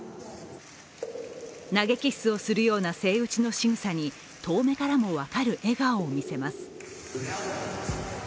投げキッスをするようなセイウチのしぐさに遠目からも分かる笑顔を見せます。